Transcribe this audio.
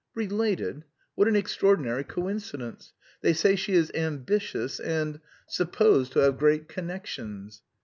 "Related! What an extraordinary coincidence! They say she is ambitious and... supposed to have great connections."